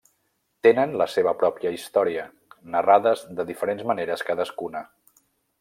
Tenen la seva pròpia història, narrades de diferents maneres cadascuna.